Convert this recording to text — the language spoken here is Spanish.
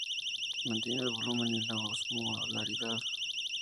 Mantiene el volumen y la osmolaridad.